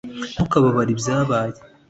ntukababare ibyabaye.